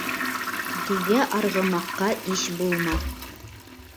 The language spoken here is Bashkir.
Дөйә арғымаҡҡа иш булмаҫ.